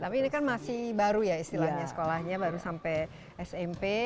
tapi ini kan masih baru ya istilahnya sekolahnya baru sampai smp